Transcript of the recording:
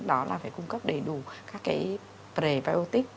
đó là phải cung cấp đầy đủ các cái prebiotic